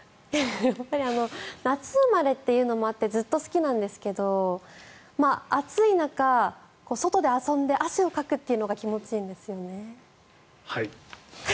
夏生まれというのもあってずっと好きなんですけど暑い中、外で遊んで汗をかくっていうのが気持ちいいんですよね。